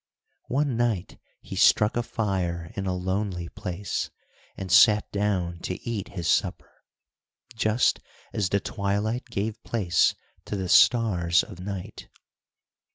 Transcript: One night he struck a fire in a lonely place, and sat down to eat his supper, just as the twilight gave place to the stars of night.